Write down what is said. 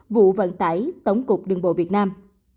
vụ vận tải tổng cục đường bộ việt nam